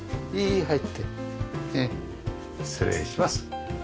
失礼します。